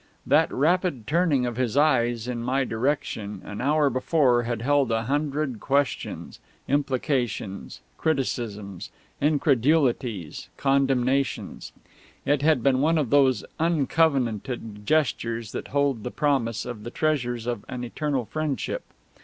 That rapid turning of his eyes in my direction an hour before had held a hundred questions, implications, criticisms, incredulities, condemnations. It had been one of those uncovenanted gestures that hold the promise of the treasures of an eternal friendship.